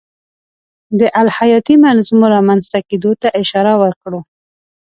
د الهیاتي منظومو رامنځته کېدو ته اشاره وکړو.